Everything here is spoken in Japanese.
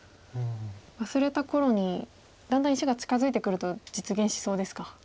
忘れた頃にだんだん石が近づいてくると実現しそうですか。